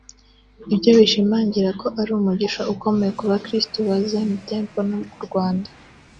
Ibyo bishimangira ko ari umugisha ukomeye ku bakristo ba Zion Temple no ku Rwanda